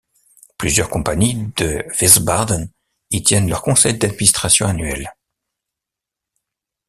Plusieurs compagnies de Wiesbaden y tiennent leur conseil d’administration annuel.